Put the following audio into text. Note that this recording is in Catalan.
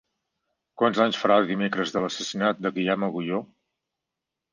Quants anys farà dimecres de l'assassinat de Guillem Agulló?